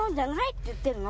って言ってるの。